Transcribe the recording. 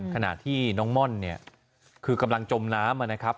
ขณะที่น้องม่อนเนี่ยคือกำลังจมน้ำนะครับ